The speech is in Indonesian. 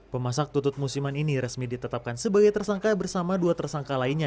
pemasak tutut musiman ini resmi ditetapkan sebagai tersangka bersama dua tersangka lainnya